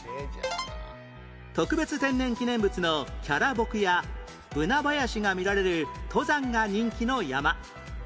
特別天然記念物のキャラボクやブナ林が見られる登山が人気の山